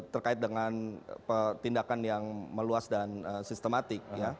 terkait dengan tindakan yang meluas dan sistematik